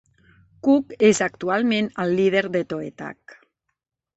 Cook és actualment el líder de Toe Tag.